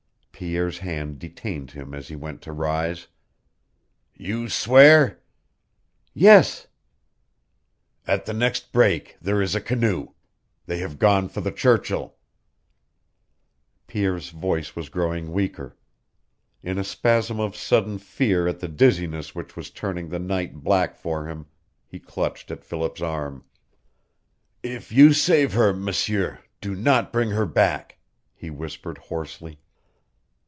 Pierre's hand detained him as he went to rise. "You swear " "Yes." "At the next break there is a canoe. They have gone for the Churchill " Pierre's voice was growing weaker. In a spasm of sudden fear at the dizziness which was turning the night black for him he clutched at Philip's arm. "If you save her, M'sieur, do not bring her back," he whispered, hoarsely.